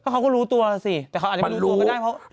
เขาก็รู้ตัวสิแต่เขาอาจไม่รู้ตัวก็ได้